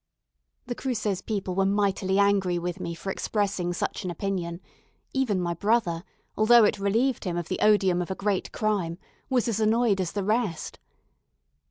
The Cruces people were mightily angry with me for expressing such an opinion; even my brother, although it relieved him of the odium of a great crime, was as annoyed as the rest.